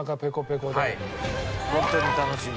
ホントに楽しみ。